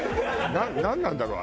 なんなんだろう？